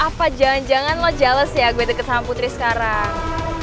apa jangan jangan lo challes ya gue deket sama putri sekarang